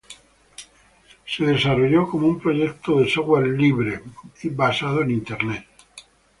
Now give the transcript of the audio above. Fue desarrollado como un proyecto de software libre y gratis basado en internet.